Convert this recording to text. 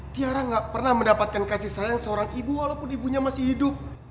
tiara gak pernah mendapatkan kasih sayang seorang ibu walaupun ibunya masih hidup